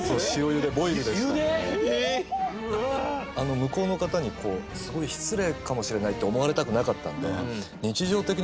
向こうの方にすごい失礼かもしれないって思われたくなかったので。